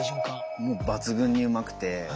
もう抜群にうまくて。